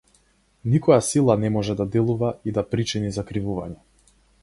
Никоја сила не може да делува и да причини закривување.